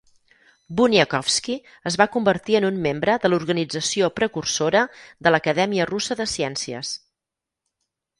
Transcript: Bunyakovsky es va convertir en un membre de l'organització precursora de l'Acadèmia Russa de Ciències.